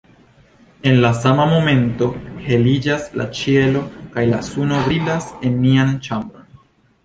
En la sama momento heliĝas la ĉielo kaj la suno brilas en nian ĉambron.